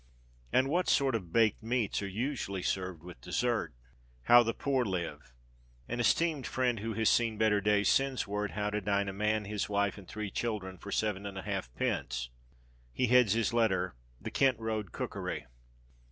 And what sort of "baked meats" are usually served with desert? How the Poor Live. An esteemed friend who has seen better days, sends word how to dine a man, his wife, and three children for 7½d. He heads his letter The Kent Road Cookery.